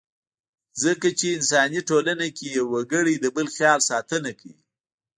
ځکه چې انساني ټولنه کې يو وګړی د بل خیال ساتنه کوي.